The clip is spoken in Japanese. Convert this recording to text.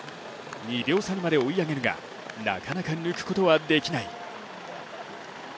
２秒差にまで追い上げるが、なかなか抜くことはできない。